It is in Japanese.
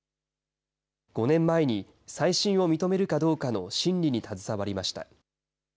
５年前に再審を認めるかどうかの審理に携わりました。